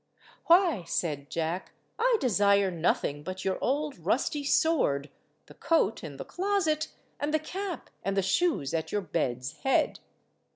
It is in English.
"Why," said Jack, "I desire nothing but your old rusty sword, the coat in the closet, and the cap and the shoes at your bed's head."